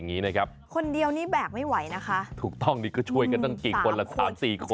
ปลาบึกกับปลาบึก